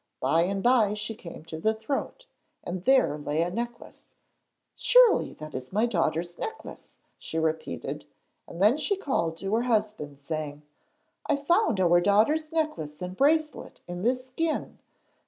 By and by she came to the throat, and there lay a necklace. 'Surely that is my daughter's necklace,' she repeated, and then she called to her husband, saying: 'I found our daughter's necklace and bracelet in this skin.